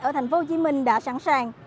ở thành phố hồ chí minh đã sẵn sàng